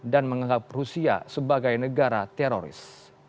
dan menganggap rusia sebagai negara teroris